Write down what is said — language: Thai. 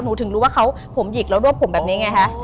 ถึงรู้ว่าเขาผมหยิกแล้วรวบผมแบบนี้ไงคะ